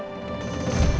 dia juga menunggu